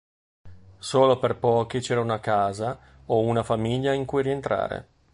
Solo per pochi c'era una casa o una famiglia in cui rientrare.